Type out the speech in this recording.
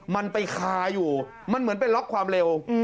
มันไปคาอยู่มันเหมือนเป็นล็อกความเร็ว